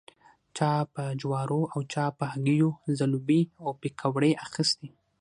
چا په جوارو او چا په هګیو ځلوبۍ او پیکوړې اخيستې.